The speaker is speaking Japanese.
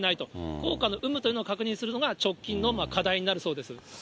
効果の有無というのを確認するのが直近の課題になるそうです。